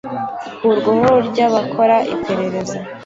ikurwaho ry abakora iperereza